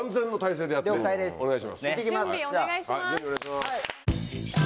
準備お願いします。